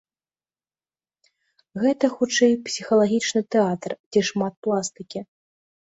Гэта, хутчэй, псіхалагічны тэатр, дзе шмат пластыкі.